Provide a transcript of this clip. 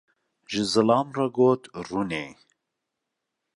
....’’, ji zilam re got: “rûnê”.